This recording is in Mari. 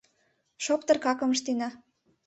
- Шоптыр какым ыштена.